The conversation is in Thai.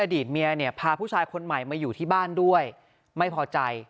อดีตเมียเนี่ยพาผู้ชายคนใหม่มาอยู่ที่บ้านด้วยไม่พอใจ